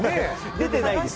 出てないです。